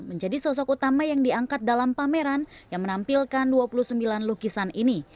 menjadi sosok utama yang diangkat dalam pameran yang menampilkan dua puluh sembilan lukisan ini